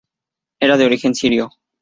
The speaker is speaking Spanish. Era de origen sirio.